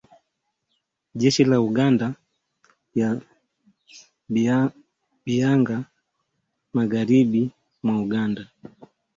jeshi la Uganda ya Bihanga, magharibi mwa Uganda